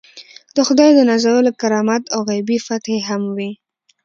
د خدای د نازولو کرامات او غیبي فتحې هم وي.